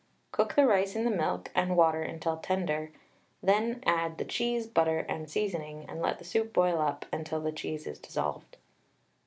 Cook the rice in the milk and water until tender, then add the cheese, butter, and seasoning, and let the soup boil up until the cheese is dissolved.